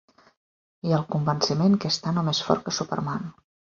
Hi ha el convenciment que és tant o més fort que Superman.